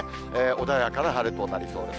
穏やかな晴れとなりそうです。